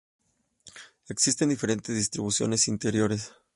Existen diferentes distribuciones interiores.